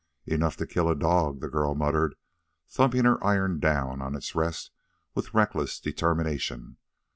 "Enough to kill a dog," the girl muttered, thumping her iron down on its rest with reckless determination.